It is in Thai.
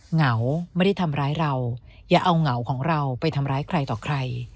เหงาไม่ได้ทำร้ายเราอย่าเอาเหงาของเราไปทำร้ายใครต่อใคร